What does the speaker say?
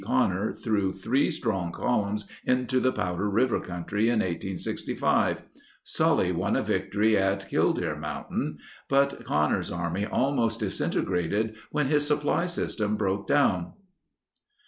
Connor threw three strong columns into the Powder River country in 1865. Sully won a victory at Kill 13 deer Mountain, but Connor's army almost disinte grated when his supply system broke down.